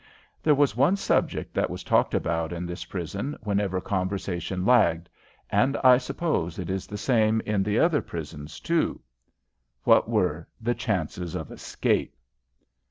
There was one subject that was talked about in this prison whenever conversation lagged, and I suppose it is the same in the other prisons, too. What were the chances of escape?